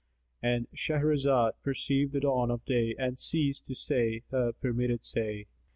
——And Shahrazad perceived the dawn of day and ceased to say her permitted say.